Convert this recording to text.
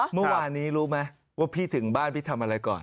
เมื่อวานนี้รู้ไหมว่าพี่ถึงบ้านพี่ทำอะไรก่อน